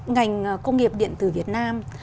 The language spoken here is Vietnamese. ngành công nghiệp điện tử việt nam